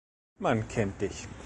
Man kennt dich.